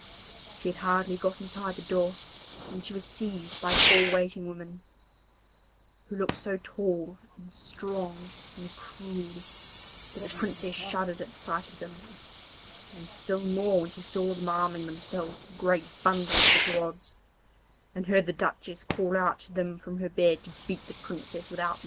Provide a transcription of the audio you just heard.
She had hardly got inside the door when she was seized by four waiting women, who looked so tall and strong and cruel that the Princess shuddered at the sight of them, and still more when she saw them arming themselves with great bundles of rods, and heard the Duchess call out to them from her bed to beat the Princess without mercy.